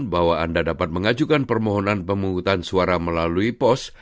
bahwa anda dapat mengajukan permohonan pemungutan suara melalui pos